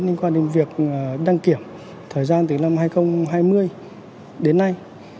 liên quan đến việc đăng kiểm thời gian từ năm hai nghìn hai mươi đến nay